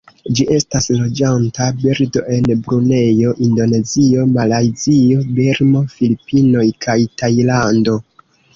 Ĝi estas loĝanta birdo en Brunejo, Indonezio, Malajzio, Birmo, Filipinoj kaj Tajlando.